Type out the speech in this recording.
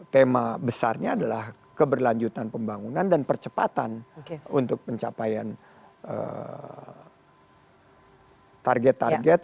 tema besarnya adalah keberlanjutan pembangunan dan percepatan untuk pencapaian target target